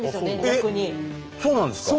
そうなんですか？